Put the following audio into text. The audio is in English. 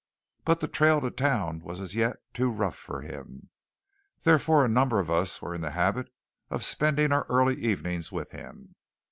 But the trail to town was as yet too rough for him. Therefore a number of us were in the habit of spending our early evenings with him.